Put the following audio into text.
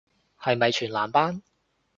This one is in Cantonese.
係咪全男班